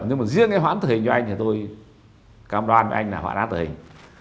nhưng mà riêng cái hoãn tự hình cho anh thì tôi cam đoan với anh là hoãn án tự hình